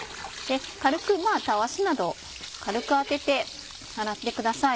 たわしなど軽く当てて洗ってください。